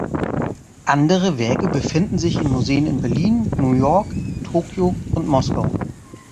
Andere Werke befinden sich in Museen in Berlin, New York, Tokio und Moskau.